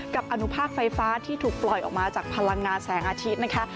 อนุภาคไฟฟ้าที่ถูกปล่อยออกมาจากพลังงานแสงอาทิตย์นะคะ